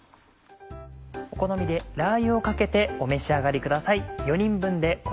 お好みでラー油をかけてお召し上がりください。